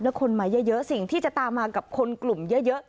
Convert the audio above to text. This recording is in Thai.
แล้วคนมาเยอะสิ่งที่จะตามมากับคนกลุ่มเยอะ